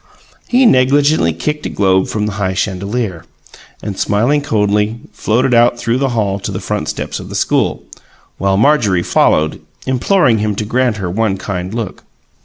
He negligently kicked a globe from the high chandelier, and, smiling coldly, floated out through the hall to the front steps of the school, while Marjorie followed, imploring him to grant her one kind look.